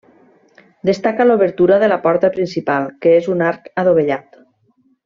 Destaca l'obertura de la porta principal que és un arc adovellat.